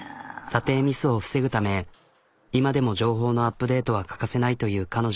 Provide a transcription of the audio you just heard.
査定ミスを防ぐため今でも情報のアップデートは欠かせないという彼女。